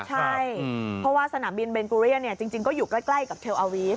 ใช่เพราะว่าสนามบินเบงกุเรียนจริงก็อยู่ใกล้กับเทลอาวีฟ